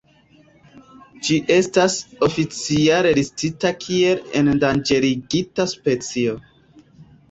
Ĝi estas oficiale listita kiel endanĝerigita specio.